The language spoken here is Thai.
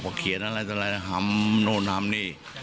เขาเขียนอะไรหำโนนำนี่